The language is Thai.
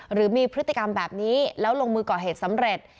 หรือมีพฤติกรรมแบบนี้แล้วลงมือก่อเหตุสำเร็จ